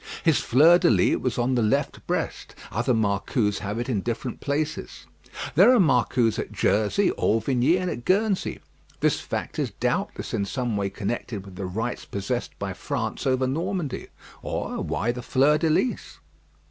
His fleur de lys was on the left breast; other marcous have it in different parts. There are marcous at Jersey, Auvigny, and at Guernsey. This fact is doubtless in some way connected with the rights possessed by France over Normandy: or why the fleur de lys?